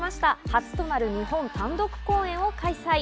初となる日本単独公演を開催。